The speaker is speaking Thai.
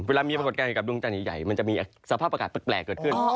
ปรากฏมีปรากฏการณ์เกี่ยวกับดวงจันทร์ใหญ่มันจะมีสภาพอากาศแปลกเกิดขึ้น